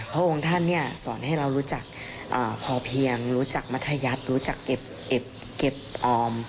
พระองค์ท่านสอนให้เรารู้จักพอเพียงรู้จักมัธยัติรู้จักเก็บออม